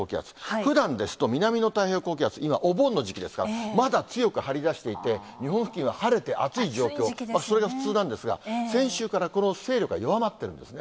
ふだんですと南の太平洋高気圧、今、お盆の時期ですから、まだ強く張り出していて、日本付近、晴れて暑い状況、それが普通なんですが、先週からこの勢力が弱まってるんですね。